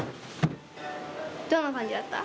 どんな感じだった？